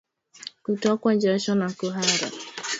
Kutokwa jasho na kuhara